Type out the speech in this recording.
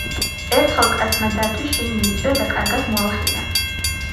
ერთხელ კაცმა დათვი შინ მიიწვია და კარგად მოალხინა.